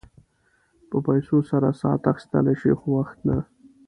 په پیسو سره ساعت اخيستلی شې خو وخت نه شې.